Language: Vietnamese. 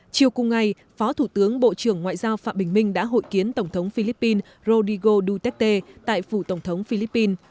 chiều cùng ngày phó thủ tướng bộ trưởng ngoại giao phạm bình minh đã hội kiến tổng thống philippines rodrigo duterte tại phủ tổng thống philippines